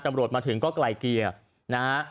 ตำรวจมาถึงก็ไกลเกลี่ยนะฮะ